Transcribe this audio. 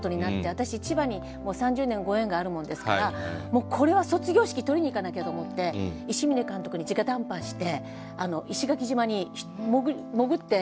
私千葉にもう３０年ご縁があるもんですからこれは卒業式取りに行かなきゃと思って伊志嶺監督にじか談判して石垣島に潜って。